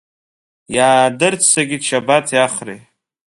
Иаадырццакит Шьабаҭи Ахреи.